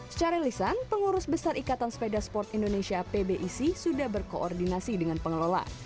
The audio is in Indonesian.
secara lisan pengurus besar ikatan sepeda sport indonesia pbic sudah berkoordinasi dengan pengelola